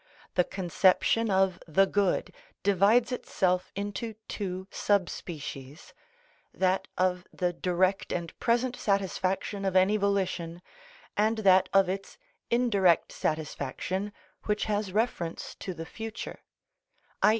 The conception of the good divides itself into two sub species—that of the direct and present satisfaction of any volition, and that of its indirect satisfaction which has reference to the future, _i.